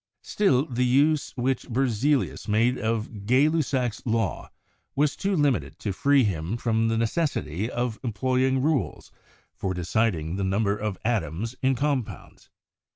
Still, the use which Berzelius made of Gay Lussac's law was too limited to free him from the necessity of employ ing rules for deciding the number of atoms in compounds.